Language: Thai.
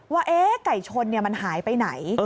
ว่าไก่ชนมันหายไปไหน